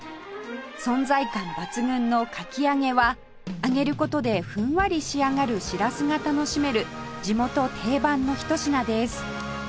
存在感抜群のかき揚げは揚げる事でふんわり仕上がるしらすが楽しめる地元定番の一品です